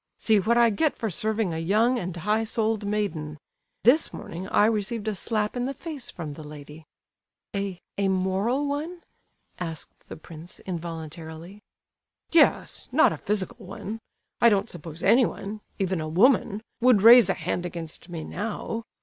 See what I get for serving a young and high souled maiden! This morning I received a slap in the face from the lady!" "A—a moral one?" asked the prince, involuntarily. "Yes—not a physical one! I don't suppose anyone—even a woman—would raise a hand against me now.